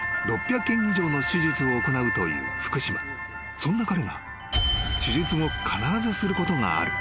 ［そんな彼が手術後必ずすることがある。